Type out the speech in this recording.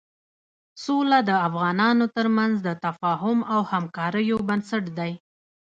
سوله د انسانانو تر منځ د تفاهم او همکاریو بنسټ دی.